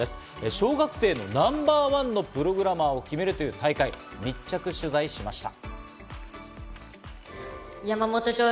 小学生のナンバーワンプログラマーを決める大会を密着取材しました。